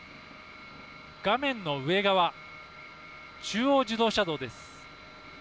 画面の上側、中央自動車道です。